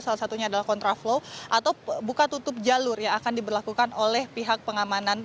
salah satunya adalah kontraflow atau buka tutup jalur yang akan diberlakukan oleh pihak pengamanan